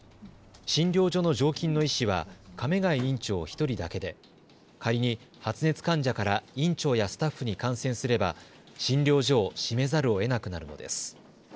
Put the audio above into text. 診療所の常勤の医師は亀谷院長１人だけで仮に発熱患者から院長やスタッフに感染すれば診療所を閉めざるをえなくなるのです。